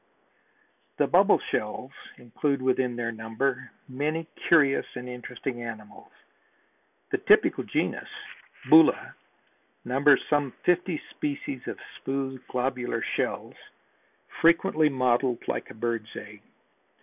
The Bubble shells include within their number many curious and interesting animals. The typical genus, Bulla, numbers some fifty species of smooth, globular shells, frequently mottled like a bird's egg.